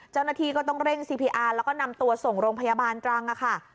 เจ้าหน้าที่ก็ต้องเร่งซีพีอาร์แล้วก็นำตัวส่งโรงพยาบาลตรังค่ะ